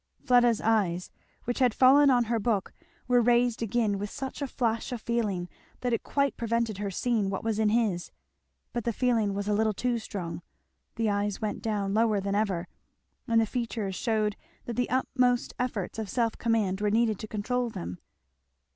Fleda's eyes, which had fallen on her book, were raised again with such a flash of feeling that it quite prevented her seeing what was in his. But the feeling was a little too strong the eyes went down, lower than ever, and the features shewed that the utmost efforts of self command were needed to control them.